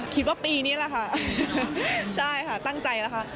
คิดว่าปีนี้แหละค่ะใช่ค่ะตั้งใจแล้วค่ะ